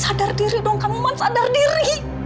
sadar diri dong kamu sadar diri